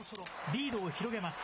リードを広げます。